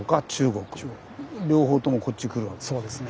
両方ともこっち来るわけですよね。